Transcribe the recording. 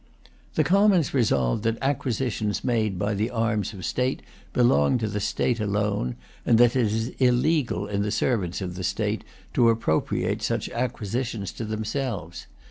The Commons resolved that acquisitions made by the arms of the State belong to the State alone, and that it is illegal in the servants of the State to appropriate such acquisitions to themselves.